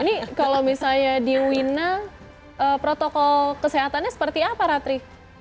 ini kalau misalnya di wina protokol kesehatannya seperti apa ratri